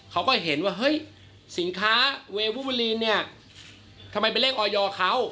เขาก็เห็นว่าเฮ้ยสินค้าเวอร์ลีนเนี่ยทำไมเป็นเลขออยเขา